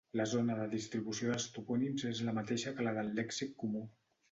La zona de distribució dels topònims és la mateixa que la del lèxic comú.